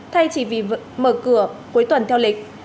thay chỉ vì mở cửa cuối tuần theo lịch